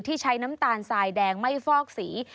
ใช้น้ำตาลทรายแดงไม่ฟอกสี